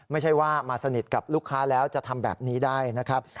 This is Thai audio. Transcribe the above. ไม่ใช่ว่ามาสนิทกับลูกค้าแล้วจะทำแบบนี้ได้นะครับ